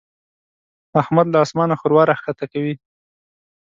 احمد له اسمانه ښوروا راکښته کوي.